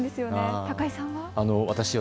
高井さんは？